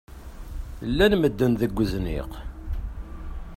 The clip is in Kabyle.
Llan medden deg uzniq.